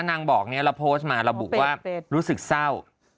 นางบอกเนี่ยเราโพสต์มาระบุว่ารู้สึกเศร้า